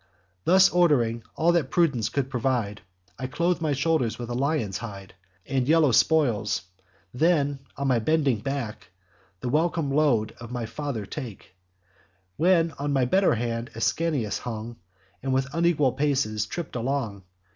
Thus, ord'ring all that prudence could provide, I clothe my shoulders with a lion's hide And yellow spoils; then, on my bending back, The welcome load of my dear father take; While on my better hand Ascanius hung, And with unequal paces tripp'd along.